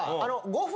５分？